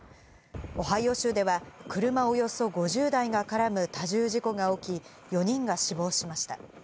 オハイオ州では、車およそ５０台が絡む多重事故が起き、４人が死亡しました。